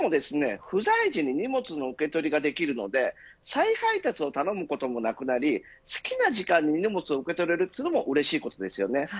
しかも不在時に荷物の受け取りができるので再配達を頼むこともなくなり好きな時間に荷物を受け取れるのもうれしいことですよね。